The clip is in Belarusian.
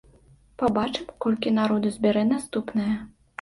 Пабачым, колькі народу збярэ наступная.